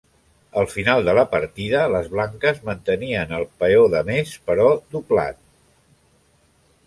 El final de la partida les blanques mantenien el peó de més, però doblat.